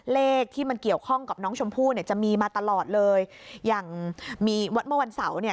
เลขที่มันเกี่ยวข้องกับน้องชมพู่เนี่ยจะมีมาตลอดเลยอย่างมีวัดเมื่อวันเสาร์เนี่ย